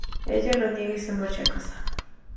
Ella lo niega y se marcha a casa.